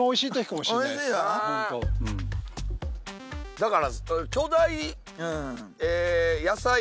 だから。